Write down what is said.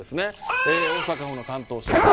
大阪府の担当者